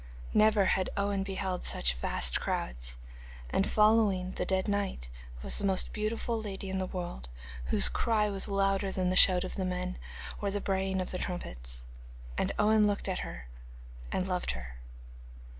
Never had Owen beheld such vast crowds, and following the dead knight was the most beautiful lady in the world, whose cry was louder than the shout of the men, or the braying of the trumpets. And Owen looked on her and loved her.